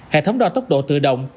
hệ thống đo tốc độ tự động